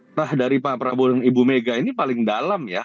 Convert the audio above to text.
entah dari pak prabowo dan ibu mega ini paling dalam ya